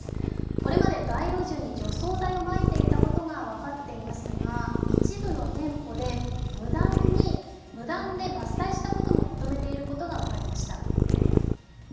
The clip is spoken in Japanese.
これまでに街路樹に除草剤をまいていたことが分かっていますが、一部の店舗で無断で伐採したことも認めていることが分かりました。